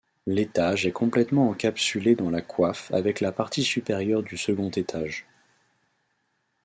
L'étage est complètement encapsulé dans la coiffe avec la partie supérieure du second étage.